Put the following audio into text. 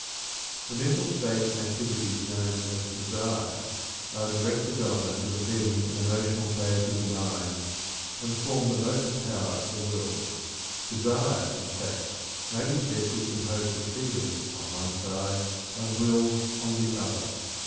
The mental states and activities known as "desire" are a direct development of the feeling and emotional phase of the mind and form the motive power of the will. Desire, in fact, may be said to be composed of feeling on one side and will on the other.